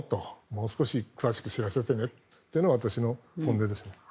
もう少し詳しく知らせてねっていうのが私の本音ですね。